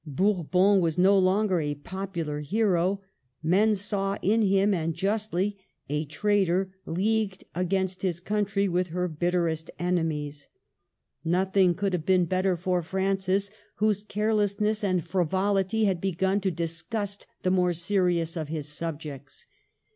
Bourbon was no longer a popular hero ; men saw in him, and justly, a traitor leagued against his country with her bitterest enemies. Nothing could have been 72 MARGARET OF ANGOULEME. better for Francis, whose carelessness and frivolity had begun to disgust the more serious of his sub jects.